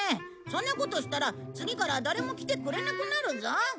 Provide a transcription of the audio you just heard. そんなことしたら次から誰も来てくれなくなるぞ。